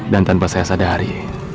dan tanpa saya sadari